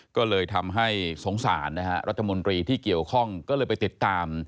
ก็เลยทำให้สงสารนะฮะรัฐมนตรีที่เกี่ยวข้องก็เลยไปติดตาม